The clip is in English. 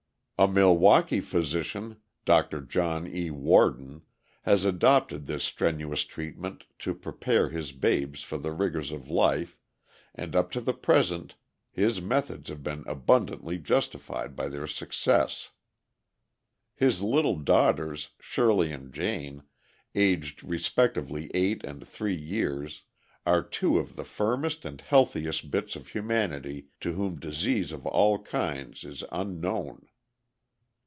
"A Milwaukee physician, Dr. John E. Worden, has adopted this strenuous treatment to prepare his babes for the rigors of life, and up to the present his methods have been abundantly justified by their success. His little daughters, Shirley and Jane, aged respectively eight and three years, are two of the firmest and healthiest bits of humanity to whom disease of all kinds is unknown.